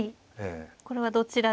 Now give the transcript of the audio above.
これはどちらで。